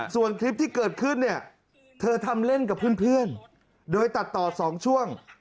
ส่วนคลิปที่เกิดขึ้นเนี่ยเธอทำเล่นกับเพื่อนโดยตัดต่อ๒ช่วง